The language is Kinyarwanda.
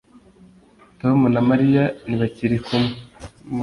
Tom na Mariya ntibakiri kumwe